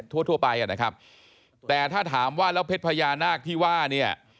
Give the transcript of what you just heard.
ทั่วทั่วไปอ่ะนะครับแต่ถ้าถามว่าแล้วเพชรพญานาคที่ว่าเนี่ย